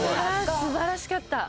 素晴らしかった。